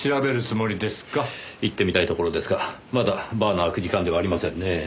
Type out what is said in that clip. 行ってみたいところですがまだバーの開く時間ではありませんねぇ。